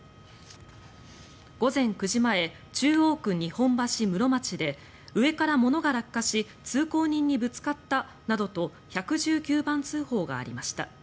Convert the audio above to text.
午前９時前、中央区日本橋室町で上から物が落下し通行人にぶつかったなどと１１９番通報がありました。